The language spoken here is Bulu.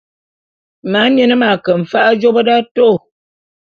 Mamien m'ake mfa'a jôp d'atôô.